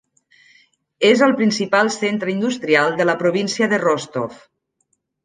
És el principal centre industrial de la província de Rostov.